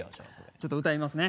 ちょっと歌いますね。